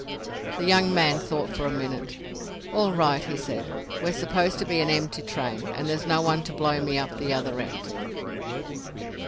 The young man thought for a minute. "All right," he said. "We're supposed to be an empty train, and there's no one to blow me up at the other end."